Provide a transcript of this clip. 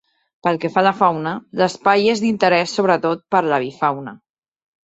Pel que fa a la fauna, l'espai és d'interès sobretot per a l'avifauna.